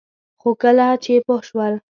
خو کله چې پوه شول